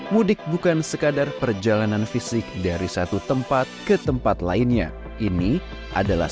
mudik bukan sekadar perjalanan fisik dari satu tempat ke tempat lainnya ini adalah